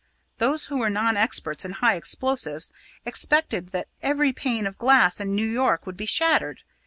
Those who were non experts in high explosives expected that every pane of glass in New York would be shattered.